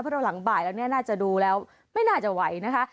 เพราะเราหลังบ่ายแล้วเนี่ยน่าจะดูแล้วไม่น่าจะไหวนะคะ